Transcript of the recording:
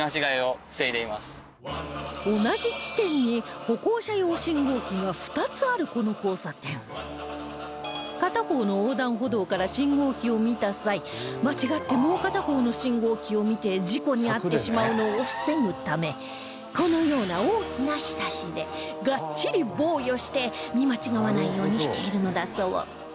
同じ地点に歩行者用信号機が２つあるこの交差点片方の横断歩道から信号機を見た際間違ってもう片方の信号機を見て事故に遭ってしまうのを防ぐためこのような大きな庇でガッチリ防御して見間違わないようにしているのだそう